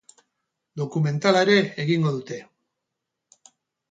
Dokumentala ere egingo dute.